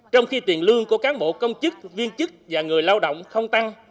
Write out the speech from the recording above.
trong khi tiền lương của cán bộ công chức viên chức và người lao động không tăng